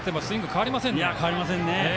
変わりませんね。